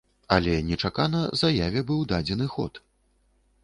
Але нечакана заяве быў дадзены ход.